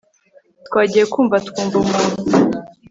twagiye kumva twumva umuntu